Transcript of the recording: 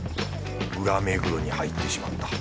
裏目黒に入ってしまった。